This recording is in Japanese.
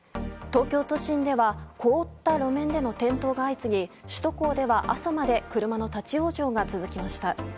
東京都心では凍った路面での転倒が相次ぎ首都高では朝まで車の立ち往生が続きました。